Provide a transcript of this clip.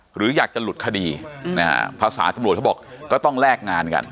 หรืออยากจะหลุดคดีภาษาตำรวจเขาบอกก็ต้องแลกงานกัน